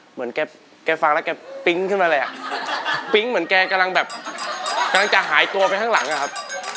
เหมือนแกฟังแล้วแกปิ๊งขึ้นมาเลยอ่ะปิ๊งเหมือนแกกำลังแบบกำลังจะหายตัวไปข้างหลังอะครับ